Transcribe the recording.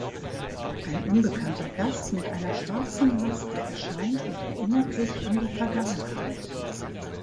Ein unbekannter Gast mit einer schwarzen Maske erscheint und erinnert sich an die Vergangenheit.